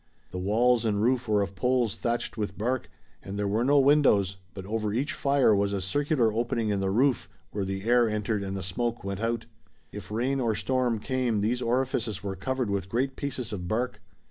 The walls and roof were of poles thatched with bark, and there were no windows, but over each fire was a circular opening in the roof where the air entered and the smoke went out. If rain or storm came these orifices were covered with great pieces of bark.